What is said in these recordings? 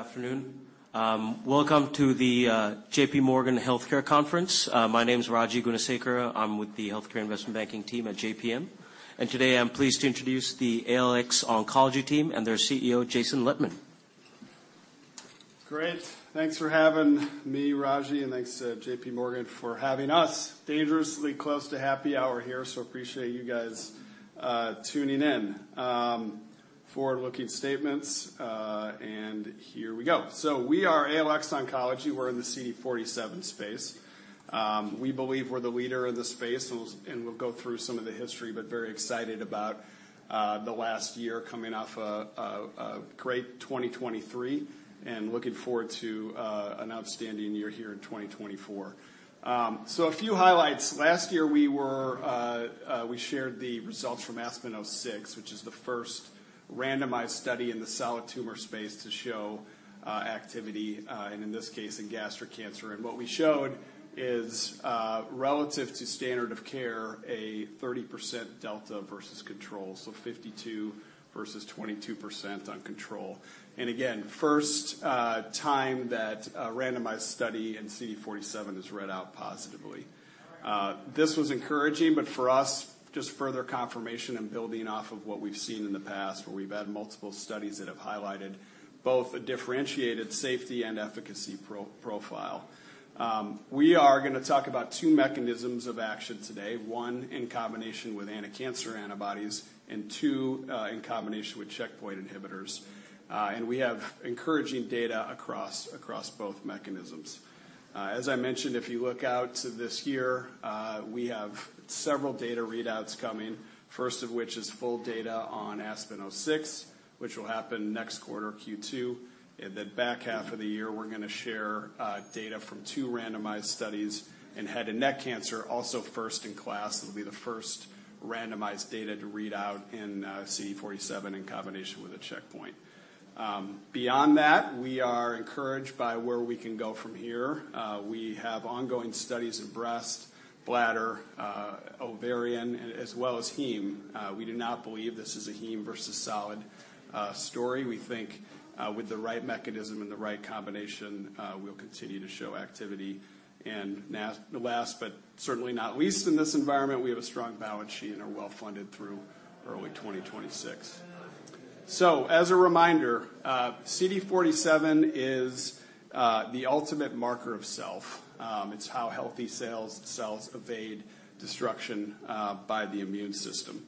Good afternoon. Welcome to the J.P. Morgan Healthcare Conference. My name is Raji Gunasekera. I'm with the Healthcare Investment Banking team at JPM, and today I'm pleased to introduce the ALX Oncology team and their CEO, Jason Lettmann. Great! Thanks for having me, Raji, and thanks to J.P. Morgan for having us. Dangerously close to happy hour here, so appreciate you guys tuning in. Forward-looking statements, and here we go. So we are ALX Oncology. We're in the CD47 space. We believe we're the leader in the space, and we'll go through some of the history, but very excited about the last year coming off a great 2023, and looking forward to an outstanding year here in 2024. So a few highlights. Last year, we shared the results from ASPEN-06, which is the first randomized study in the solid tumor space to show activity, and in this case, in gastric cancer. And what we showed is, relative to standard of care, a 30% delta versus control, so 52 versus 22% on control. And again, first time that a randomized study in CD47 is read out positively. This was encouraging, but for us, just further confirmation and building off of what we've seen in the past, where we've had multiple studies that have highlighted both a differentiated safety and efficacy profile. We are gonna talk about two mechanisms of action today, one, in combination with anti-cancer antibodies, and two, in combination with checkpoint inhibitors. And we have encouraging data across both mechanisms. As I mentioned, if you look out to this year, we have several data readouts coming, first of which is full data on ASPEN-06, which will happen next quarter, Q2. In the back half of the year, we're gonna share data from two randomized studies in head and neck cancer, also first in class. It'll be the first randomized data to read out in CD47 in combination with a checkpoint. Beyond that, we are encouraged by where we can go from here. We have ongoing studies in breast, bladder, ovarian, as well as heme. We do not believe this is a heme versus solid story. We think with the right mechanism and the right combination, we'll continue to show activity. And last, but certainly not least in this environment, we have a strong balance sheet and are well-funded through early 2026. So, as a reminder, CD47 is the ultimate marker of self. It's how healthy cells evade destruction by the immune system.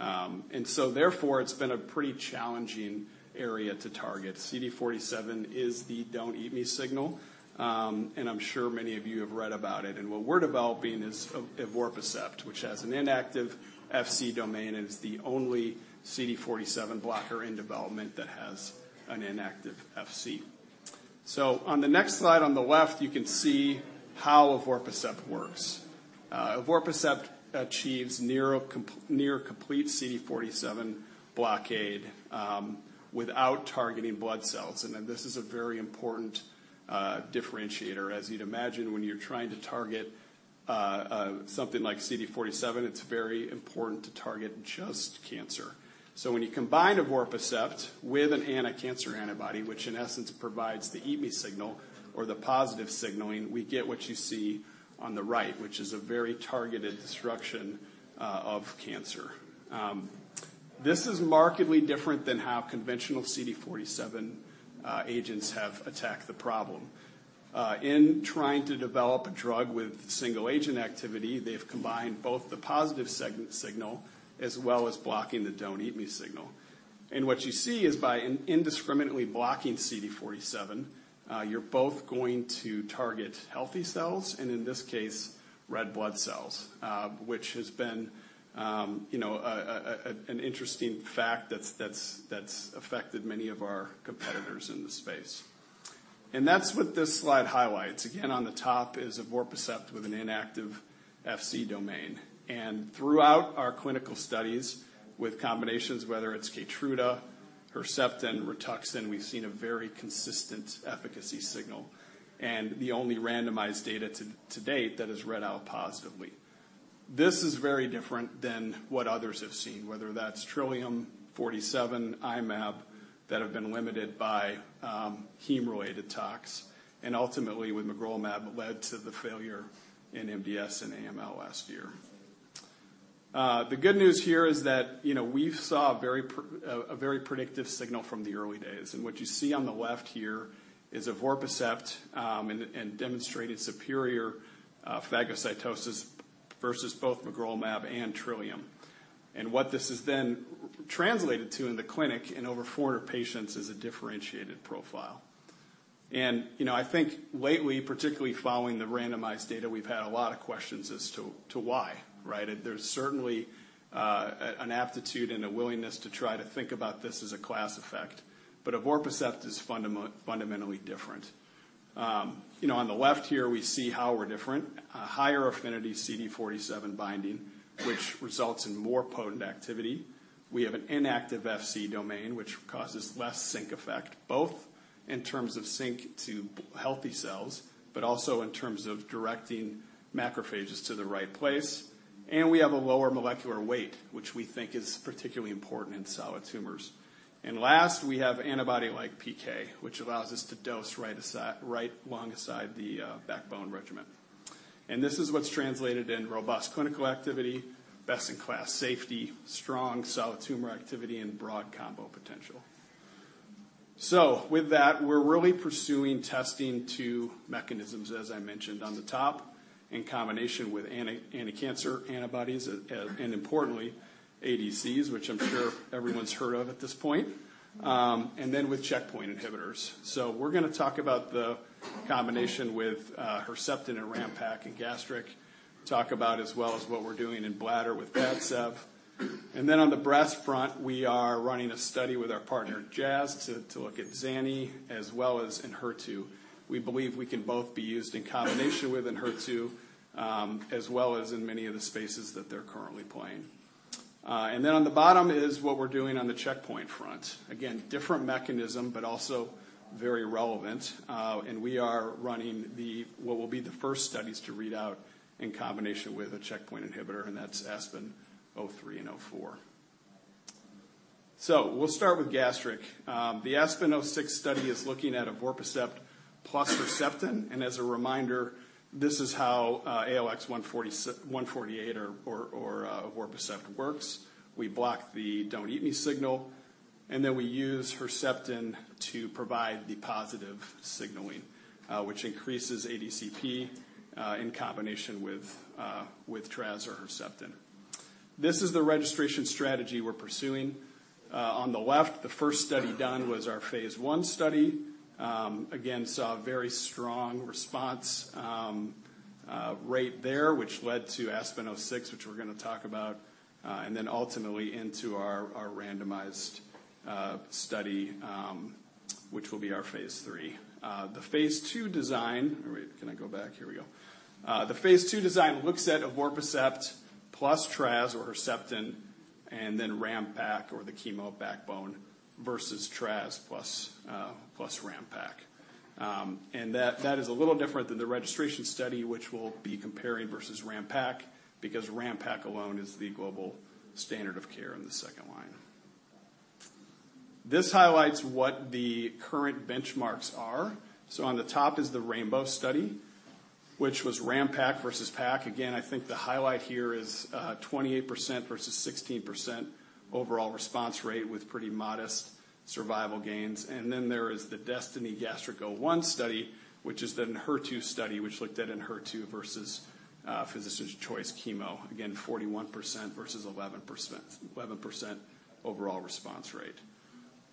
And so therefore, it's been a pretty challenging area to target. CD47 is the "don't eat me" signal, and I'm sure many of you have read about it. And what we're developing is evorpacept, which has an inactive Fc domain and is the only CD47 blocker in development that has an inactive Fc. So on the next slide, on the left, you can see how evorpacept works. Evorpacept achieves near complete CD47 blockade, without targeting blood cells, and then this is a very important differentiator. As you'd imagine, when you're trying to target something like CD47, it's very important to target just cancer. So when you combine evorpacept with an anti-cancer antibody, which in essence provides the "eat me" signal or the positive signaling, we get what you see on the right, which is a very targeted destruction of cancer. This is markedly different than how conventional CD47 agents have attacked the problem. In trying to develop a drug with single agent activity, they've combined both the positive signal, as well as blocking the "don't eat me" signal. And what you see is, by indiscriminately blocking CD47, you're both going to target healthy cells and in this case, red blood cells, which has been an interesting fact that's affected many of our competitors in the space. And that's what this slide highlights. Again, on the top is evorpacept with an inactive Fc domain. And throughout our clinical studies with combinations, whether it's Keytruda, Herceptin, Rituxan, we've seen a very consistent efficacy signal, and the only randomized data to date that has read out positively. This is very different than what others have seen, whether that's Trillium, Forty Seven, I-Mab, that have been limited by heme-related tox, and ultimately with magrolimab led to the failure in MDS and AML last year. The good news here is that, you know, we've saw a very predictive signal from the early days. And what you see on the left here is evorpacept and demonstrated superior phagocytosis versus both magrolimab and Trillium. And what this is then translated to in the clinic in over 400 patients is a differentiated profile. And, you know, I think lately, particularly following the randomized data, we've had a lot of questions as to why, right? There's certainly an aptitude and a willingness to try to think about this as a class effect, but evorpacept is fundamentally different. You know, on the left here, we see how we're different. A higher affinity CD47 binding, which results in more potent activity. We have an inactive Fc domain, which causes less sink effect, both in terms of sync to healthy cells, but also in terms of directing macrophages to the right place, and we have a lower molecular weight, which we think is particularly important in solid tumors. And last, we have antibody-like PK, which allows us to dose right aside, right alongside the backbone regimen. And this is what's translated in robust clinical activity, best-in-class safety, strong solid tumor activity, and broad combo potential. So with that, we're really pursuing testing two mechanisms, as I mentioned on the top, in combination with anti-cancer antibodies, and importantly, ADCs, which I'm sure everyone's heard of at this point, and then with checkpoint inhibitors. So we're gonna talk about the combination with Herceptin and RamPac and gastric. Talk about as well as what we're doing in bladder with Padcev. And then on the breast front, we are running a study with our partner Jazz to look at zanidatamab as well as Enhertu. We believe we can both be used in combination with Enhertu, as well as in many of the spaces that they're currently playing. And then on the bottom is what we're doing on the checkpoint front. Again, different mechanism, but also very relevant, and we are running the what will be the first studies to read out in combination with a checkpoint inhibitor, and that's ASPEN-03 and ASPEN-04. So we'll start with gastric. The ASPEN-06 study is looking at evorpacept plus Herceptin, and as a reminder, this is how ALX-148 or evorpacept works. We block the "don't eat me" signal, and then we use Herceptin to provide the positive signaling, which increases ADCP in combination with trastuzumab or Herceptin. This is the registration strategy we're pursuing. On the left, the first study done was our phase I study. Again, saw a very strong response rate there, which led to ASPEN-06, which we're gonna talk about, and then ultimately into our randomized study, which will be our phase III. The phase II design... Wait, can I go back? Here we go. The phase II design looks at evorpacept plus Tras or Herceptin, and then RamPac or the chemo backbone versus Traz plus, plus RamPac. And that, that is a little different than the registration study, which will be comparing versus RamPac, because RamPac alone is the global standard of care in the second line. This highlights what the current benchmarks are. So on the top is the RAINBOW study, which was RamPac versus Pac. Again, I think the highlight here is, 28% versus 16% overall response rate with pretty modest survival gains. And then there is the DESTINY-Gastric01 study, which is an Enhertu study, which looked at Enhertu versus, physician's choice chemo. Again,41% versus 11%, 11% overall response rate.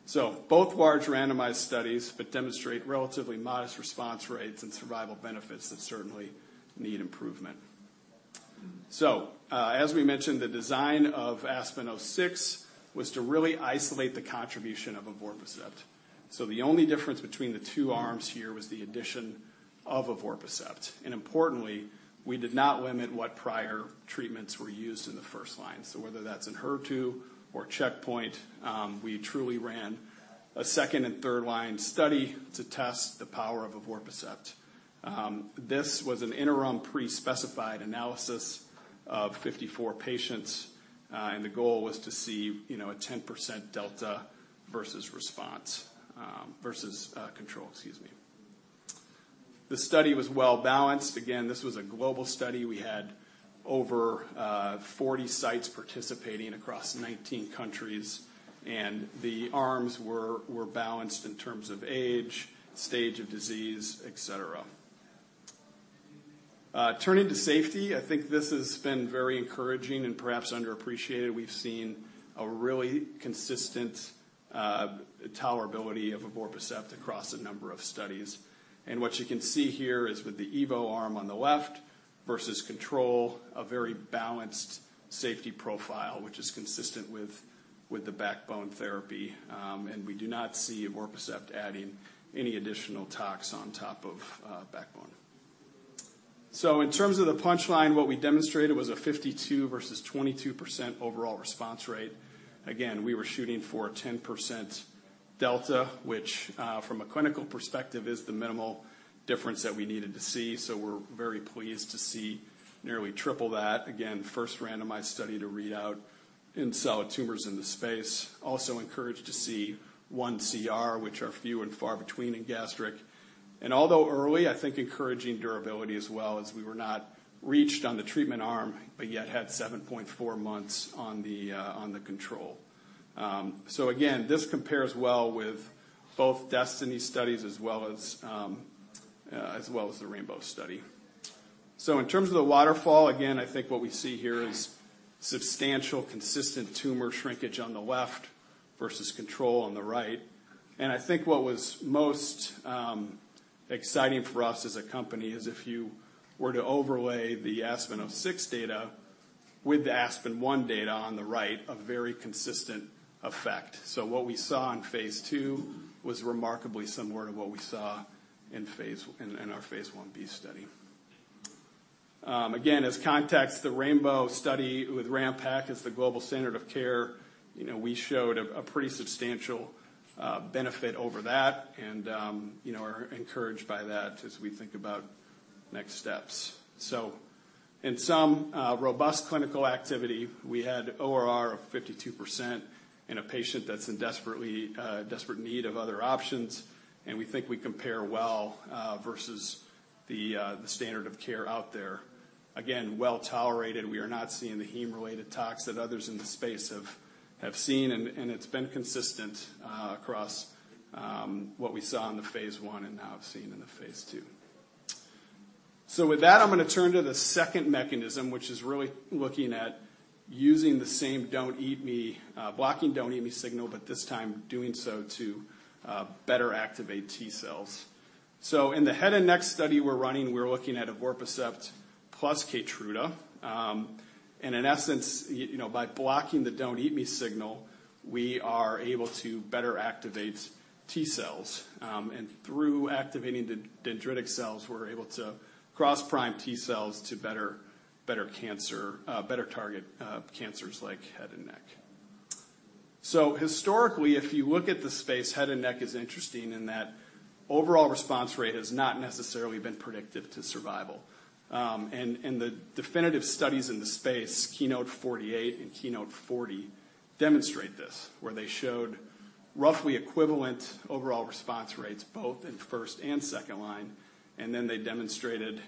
So both large randomized studies, but demonstrate relatively modest response rates and survival benefits that certainly need improvement. So, as we mentioned, the design of ASPEN-06 was to really isolate the contribution of evorpacept. So the only difference between the two arms here was the addition of evorpacept, and importantly, we did not limit what prior treatments were used in the first line. So whether that's Enhertu or checkpoint, we truly ran a second and third line study to test the power of evorpacept. This was an interim pre-specified analysis of 54 patients, and the goal was to see, you know, a 10% delta versus response, versus control, excuse me. The study was well-balanced. Again, this was a global study. We had over 40 sites participating across 19 countries, and the arms were balanced in terms of age, stage of disease, et cetera. Turning to safety, I think this has been very encouraging and perhaps underappreciated. We've seen a really consistent tolerability of evorpacept across a number of studies. And what you can see here is with the Evo arm on the left versus control, a very balanced safety profile, which is consistent with the backbone therapy. And we do not see evorpacept adding any additional tox on top of backbone. So in terms of the punchline, what we demonstrated was a 52% versus 22% overall response rate. Again, we were shooting for a 10% delta, which from a clinical perspective, is the minimal difference that we needed to see. So we're very pleased to see nearly triple that. Again, first randomized study to read out in solid tumors in the space. Also encouraged to see 1 CR, which are few and far between in gastric. Although early, I think encouraging durability as well, as we were not reached on the treatment arm, but yet had 7.4 months on the control. So again, this compares well with both DESTINY studies as well as the RAINBOW study. So in terms of the waterfall, again, I think what we see here is substantial, consistent tumor shrinkage on the left versus control on the right. And I think what was most exciting for us as a company is if you were to overlay the ASPEN-06 data with the ASPEN-01 data on the right, a very consistent effect. So what we saw in phase II was remarkably similar to what we saw in phase Ib study. Again, as context, the RAINBOW study-... with RamPac as the global standard of care, you know, we showed a pretty substantial benefit over that and, you know, are encouraged by that as we think about next steps. So in some robust clinical activity, we had ORR of 52% in a patient that's in desperately desperate need of other options, and we think we compare well versus the standard of care out there. Again, well tolerated. We are not seeing the heme-related tox that others in the space have seen, and it's been consistent across what we saw in the phase I and now have seen in the phase II. So with that, I'm gonna turn to the second mechanism, which is really looking at using the same "don't eat me," blocking "don't eat me" signal, but this time doing so to better activate T cells. So in the head and neck study we're running, we're looking at evorpacept plus Keytruda. And in essence, you know, by blocking the "don't eat me" signal, we are able to better activate T cells. And through activating the dendritic cells, we're able to cross-prime T cells to better target cancers like head and neck. So historically, if you look at the space, head and neck is interesting in that overall response rate has not necessarily been predictive to survival. The definitive studies in the space, KEYNOTE-048 and KEYNOTE-040, demonstrate this, where they showed roughly equivalent overall response rates, both in first and second line, and then they demonstrated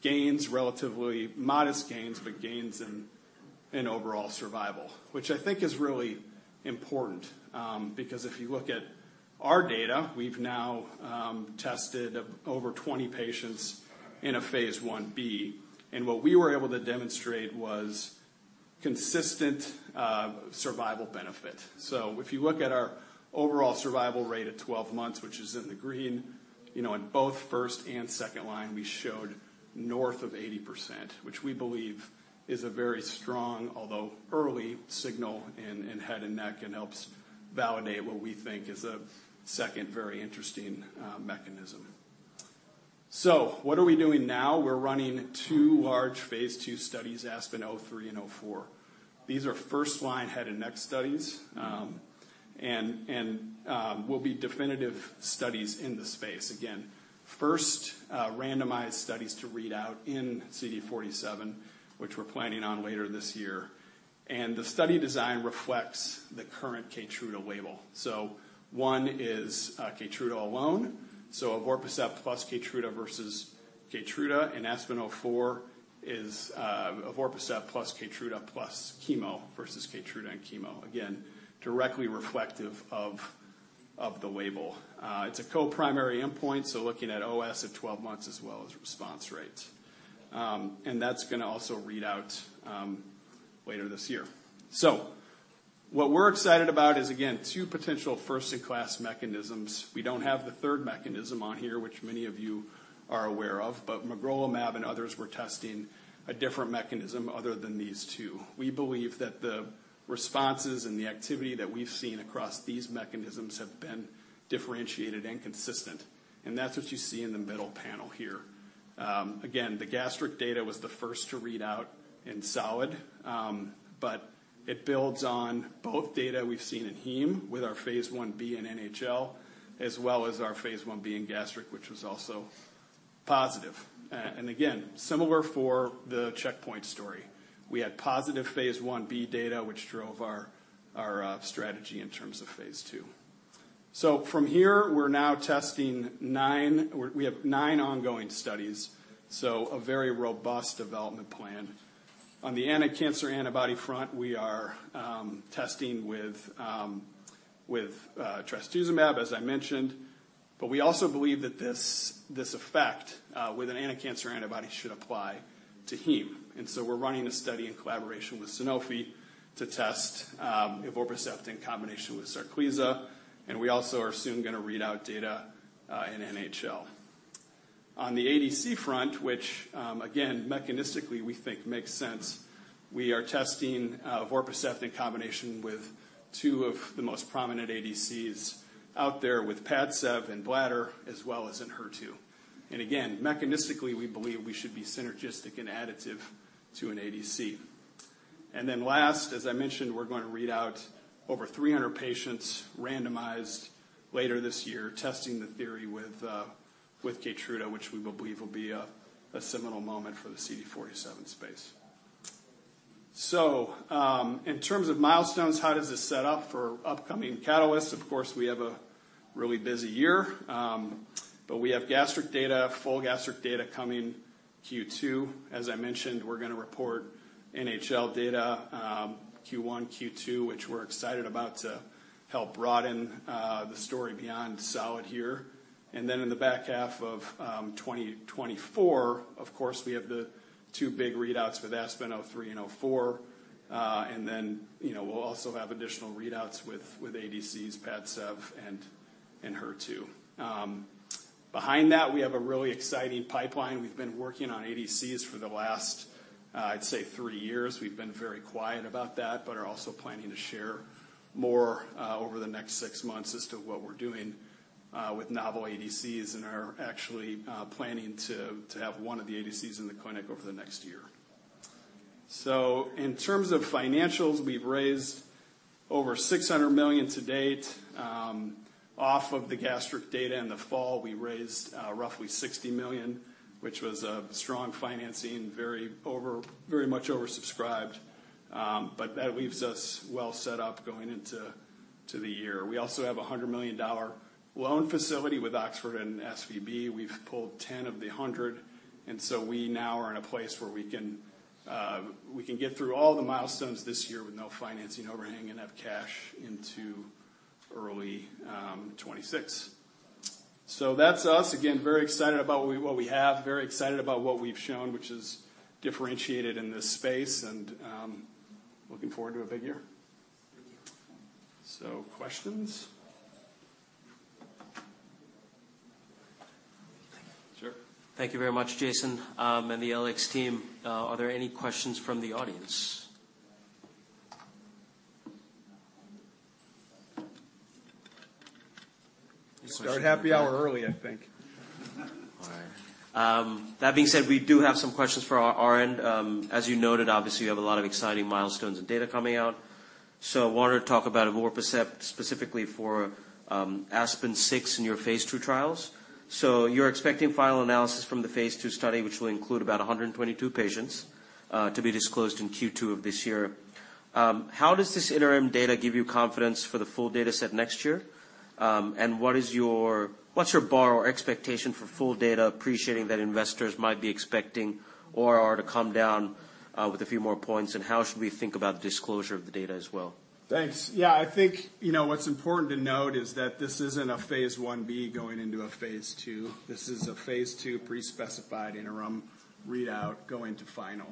gains, relatively modest gains, but gains in overall survival. Which I think is really important, because if you look at our data, we've now tested over 20 patients in a phase 1b, and what we were able to demonstrate was consistent survival benefit. So if you look at our overall survival rate at 12 months, which is in the green, you know, in both first and second line, we showed north of 80%, which we believe is a very strong, although early signal in head and neck, and helps validate what we think is a second very interesting mechanism. So what are we doing now? We're running two large phase 2 studies, ASPEN-03 and ASPEN-04. These are first-line head and neck studies and will be definitive studies in the space. Again, first randomized studies to read out in CD47, which we're planning on later this year. And the study design reflects the current Keytruda label. So one is Keytruda alone, so evorpacept plus Keytruda versus Keytruda, and ASPEN-04 is evorpacept plus Keytruda plus chemo versus Keytruda and chemo. Again, directly reflective of the label. It's a co-primary endpoint, so looking at OS at 12 months as well as response rates. And that's gonna also read out later this year. So what we're excited about is, again, two potential first-in-class mechanisms. We don't have the third mechanism on here, which many of you are aware of, but magrolimab and others were testing a different mechanism other than these two. We believe that the responses and the activity that we've seen across these mechanisms have been differentiated and consistent, and that's what you see in the middle panel here. Again, the gastric data was the first to read out in solid, but it builds on both data we've seen in heme with our phase Ib in NHL, as well as our phase Ib in gastric, which was also positive. And again, similar for the checkpoint story. We had positive phase Ib data, which drove our strategy in terms of phase II. So from here, we're now testing nine. We have nine ongoing studies, so a very robust development plan. On the anticancer antibody front, we are testing with trastuzumab, as I mentioned, but we also believe that this, this effect with an anticancer antibody should apply to heme. And so we're running a study in collaboration with Sanofi to test evorpacept in combination with Sarclisa, and we also are soon gonna read out data in NHL. On the ADC front, which, again, mechanistically, we think makes sense, we are testing evorpacept in combination with two of the most prominent ADCs out there, with Padcev and bladder, as well as in HER2. And again, mechanistically, we believe we should be synergistic and additive to an ADC. And then last, as I mentioned, we're going to read out over 300 patients randomized later this year, testing the theory with Keytruda, which we believe will be a seminal moment for the CD47 space. So, in terms of milestones, how does this set up for upcoming catalysts? Of course, we have a really busy year, but we have gastric data, full gastric data coming Q2. As I mentioned, we're gonna report NHL data, Q1, Q2, which we're excited about to help broaden the story beyond solid here. And then in the back half of 2024, of course, we have the 2 big readouts with ASPEN-03 and ASPEN-04. And then, you know, we'll also have additional readouts with ADCs, Padcev and HER2. Behind that, we have a really exciting pipeline. We've been working on ADCs for the last, I'd say 3 years. We've been very quiet about that, but are also planning to share more, over the next six months as to what we're doing.... with novel ADCs and are actually, planning to have one of the ADCs in the clinic over the next year. So in terms of financials, we've raised over $600 million to date, off of the gastric data. In the fall, we raised, roughly $60 million, which was a strong financing, very much oversubscribed. But that leaves us well set up going into the year. We also have a $100 million loan facility with Oxford and SVB. We've pulled 10 of the 100, and so we now are in a place where we can we can get through all the milestones this year with no financing overhang and have cash into early 2026. So that's us. Again, very excited about what we what we have. Very excited about what we've shown, which is differentiated in this space, and looking forward to a big year. So questions? Sure. Thank you very much, Jason, and the ALX team. Are there any questions from the audience? Start happy hour early, I think. All right. That being said, we do have some questions from our end. As you noted, obviously, you have a lot of exciting milestones and data coming out. So I wanted to talk about evorpacept, specifically for ASPEN-06 in your phase II trials. So you're expecting final analysis from the phase II study, which will include about 122 patients, to be disclosed in Q2 of this year. How does this interim data give you confidence for the full dataset next year? And what is your-- what's your bar or expectation for full data, appreciating that investors might be expecting ORR to come down with a few more points? And how should we think about the disclosure of the data as well? Thanks. Yeah, I think, you know, what's important to note is that this isn't a phase 1b going into a phase II. This is a phase II pre-specified interim readout going to final.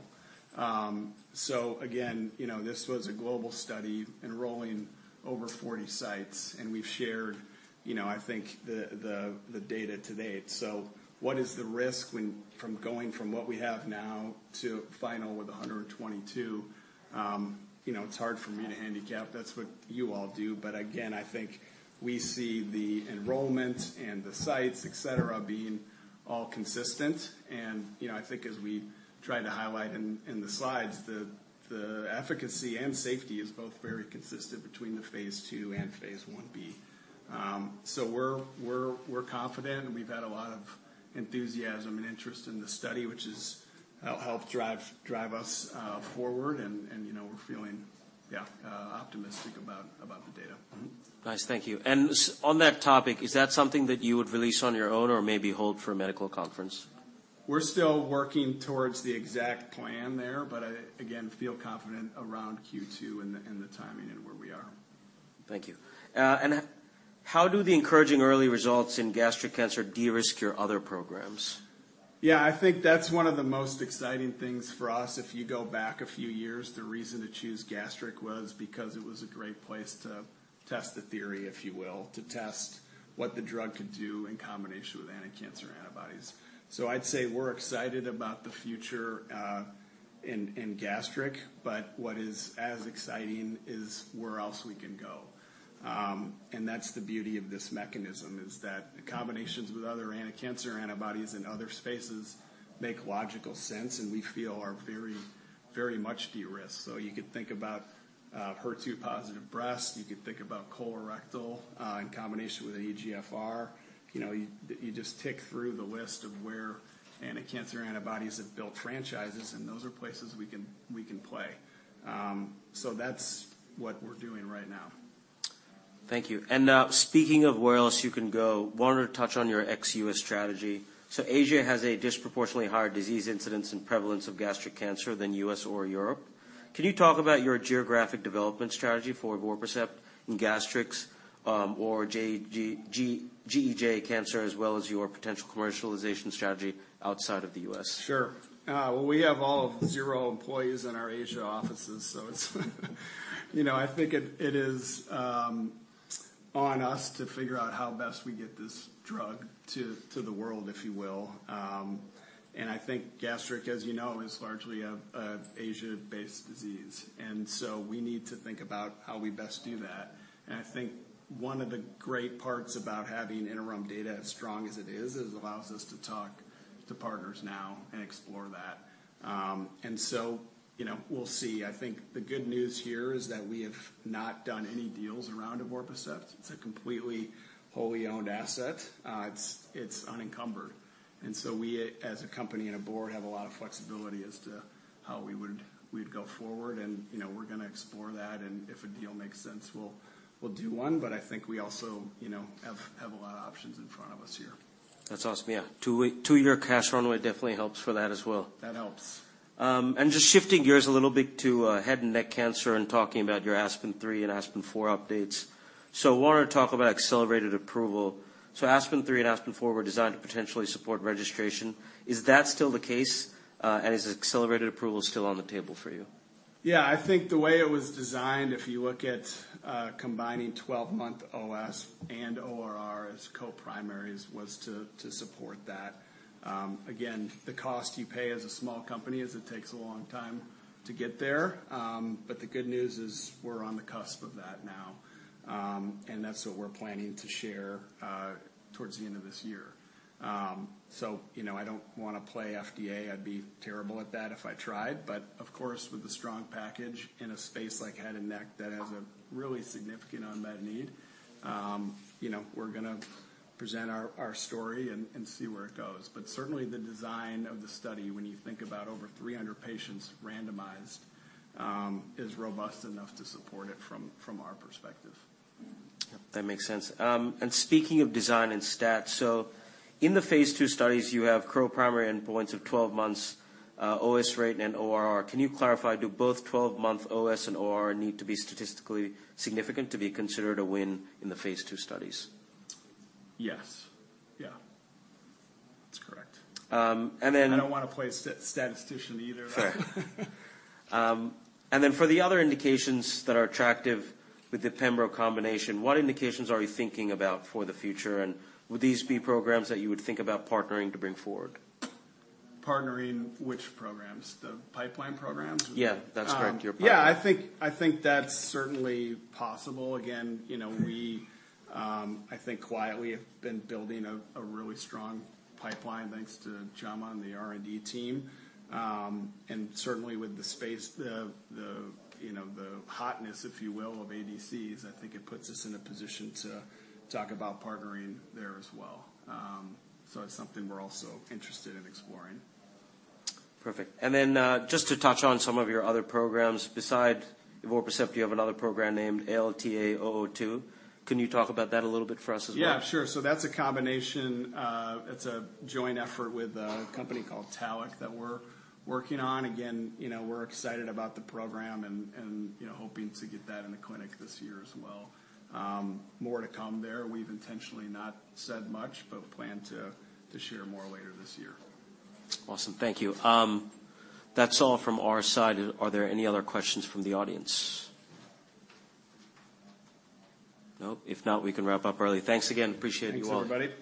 So again, you know, this was a global study enrolling over 40 sites, and we've shared, you know, I think, the data to date. So what is the risk when from going from what we have now to final with 122? You know, it's hard for me to handicap. That's what you all do. But again, I think we see the enrollment and the sites, et cetera, being all consistent and, you know, I think as we tried to highlight in the slides, the efficacy and safety is both very consistent between the phase II and phase 1b. So we're confident, and we've had a lot of enthusiasm and interest in the study, which helps drive us forward and, you know, we're feeling optimistic about the data. Mm-hmm. Nice. Thank you. On that topic, is that something that you would release on your own or maybe hold for a medical conference? We're still working toward the exact plan there, but I, again, feel confident around Q2 and the, and the timing and where we are. Thank you. How do the encouraging early results in gastric cancer de-risk your other programs? Yeah, I think that's one of the most exciting things for us. If you go back a few years, the reason to choose gastric was because it was a great place to test the theory, if you will, to test what the drug could do in combination with anticancer antibodies. So I'd say we're excited about the future in gastric, but what is as exciting is where else we can go. And that's the beauty of this mechanism, is that the combinations with other anticancer antibodies in other spaces make logical sense, and we feel are very, very much de-risked. So you could think about HER2 positive breast, you could think about colorectal in combination with EGFR. You know, you just tick through the list of where anticancer antibodies have built franchises, and those are places we can play. So that's what we're doing right now. Thank you. Speaking of where else you can go, wanted to touch on your ex-U.S. strategy. So Asia has a disproportionately higher disease incidence and prevalence of gastric cancer than U.S. or Europe. Can you talk about your geographic development strategy for evorpacept in gastric or GEJ cancer, as well as your potential commercialization strategy outside of the U.S.? Sure. Well, we have all zero employees in our Asia offices, so it's, you know, I think it is on us to figure out how best we get this drug to the world, if you will. And I think gastric, as you know, is largely a Asia-based disease, and so we need to think about how we best do that. And I think one of the great parts about having interim data as strong as it is, is it allows us to talk to partners now and explore that. And so, you know, we'll see. I think the good news here is that we have not done any deals around evorpacept. It's a completely wholly owned asset. It's unencumbered, and so we, as a company and a board, have a lot of flexibility as to how we'd go forward, and, you know, we're gonna explore that, and if a deal makes sense, we'll do one. But I think we also, you know, have a lot of options in front of us here. That's awesome. Yeah, two-year cash runway definitely helps for that as well. That helps. And just shifting gears a little bit to head and neck cancer and talking about your ASPEN 3 and ASPEN 4 updates. So wanted to talk about accelerated approval. So ASPEN 3 and ASPEN 4 were designed to potentially support registration. Is that still the case, and is accelerated approval still on the table for you? Yeah, I think the way it was designed, if you look at combining 12-month OS and ORR as co-primaries, was to support that. Again, the cost you pay as a small company is it takes a long time to get there. But the good news is we're on the cusp of that now.... And that's what we're planning to share towards the end of this year. So, you know, I don't wanna play FDA. I'd be terrible at that if I tried. But of course, with a strong package in a space like head and neck, that has a really significant unmet need, you know, we're gonna present our story and see where it goes. But certainly, the design of the study, when you think about over 300 patients randomized, is robust enough to support it from, from our perspective. Yep, that makes sense. And speaking of design and stats, so in the phase II studies, you have co-primary endpoints of 12 months, OS rate and ORR. Can you clarify, do both 12-month OS and ORR need to be statistically significant to be considered a win in the phase II studies? Yes. Yeah, that's correct. And then- I don't wanna play statistician either. Fair. And then for the other indications that are attractive with the pembro combination, what indications are you thinking about for the future? And would these be programs that you would think about partnering to bring forward? Partnering which programs? The pipeline programs? Yeah, that's correct. You're- Yeah, I think, I think that's certainly possible. Again, you know, we... I think quietly have been building a really strong pipeline, thanks to Jaume and the R&D team. And certainly with the space, you know, the hotness, if you will, of ADCs, I think it puts us in a position to talk about partnering there as well. So it's something we're also interested in exploring. Perfect. And then, just to touch on some of your other programs, besides evorpacept, you have another program named ALTA-002. Can you talk about that a little bit for us as well? Yeah, sure. So that's a combination. It's a joint effort with a company called Tallac that we're working on. Again, you know, we're excited about the program and, you know, hoping to get that in the clinic this year as well. More to come there. We've intentionally not said much, but plan to share more later this year. Awesome. Thank you. That's all from our side. Are there any other questions from the audience? No? If not, we can wrap up early. Thanks again. Appreciate you all. Thanks, everybody.